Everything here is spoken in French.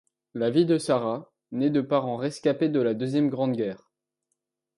La vie de Sarah, née de parents rescapés de la deuxième grande guerre.